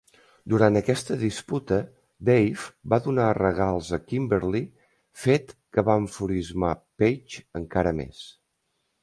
Durant aquesta disputa, Dave va donar regals a Kimberly, fet que va enfurismar Page encara més.